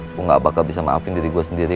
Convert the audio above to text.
aku gak bakal bisa maafin diri gue sendiri